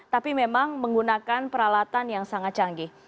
tapi memang menggunakan peralatan yang sangat canggih